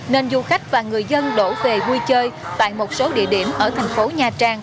nên du khách và người dân đổ về vui chơi tại một số địa điểm ở thành phố nha trang